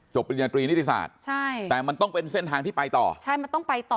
ปริญญาตรีนิติศาสตร์ใช่แต่มันต้องเป็นเส้นทางที่ไปต่อใช่มันต้องไปต่อ